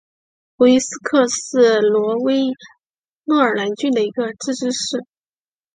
弗于斯克是挪威诺尔兰郡的一个自治市。